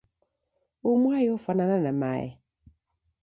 uhu mwai ofwanana na mae.